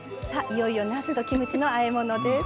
いよいよなすとキムチのあえ物です。